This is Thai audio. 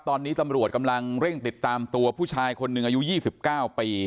ตอนนี้ตำรวจกำลังเร่งติดตามตัวผู้ชายคนหนึ่งอายุ๒๙ปี